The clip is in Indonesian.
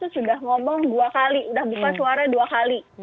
sudah membuka suara dua kali